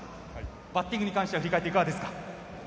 バッティングに関しては振り返っていかがですか？